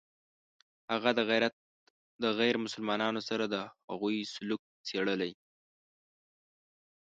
هغه د غیر مسلمانانو سره د هغوی سلوک څېړلی.